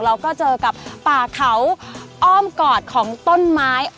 เราก็เจอกับป่าเขาอ้อมกอดของต้นไม้